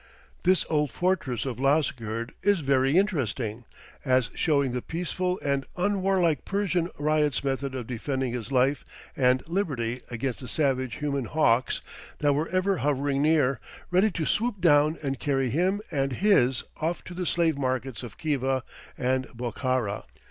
This old fortress of Lasgird is very interesting, as showing the peaceful and unwarlike Persian ryot's method of defending his life and liberty against the savage human hawks that were ever hovering near, ready to swoop down and carry him and his off to the slave markets of Khiva and Bokhara.